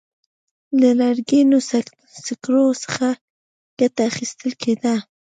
له لرګینو سکرو څخه ګټه اخیستل کېده.